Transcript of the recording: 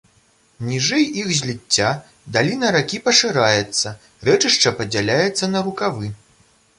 Ніжэй іх зліцця даліна ракі пашыраецца, рэчышча падзяляецца на рукавы.